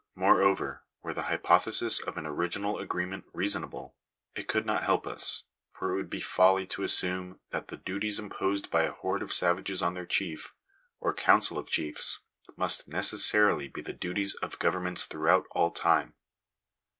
Moreover, were the hypothesis of an original agreement reason* able, it could not help us ; for it would be folly to assume that the duties imposed by a horde of savages on their chief, or council of chiefs, must necessarily be the duties of governments throughout all time.